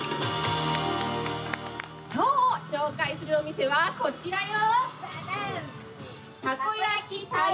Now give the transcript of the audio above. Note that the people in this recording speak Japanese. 今日紹介するお店は、こちらよ。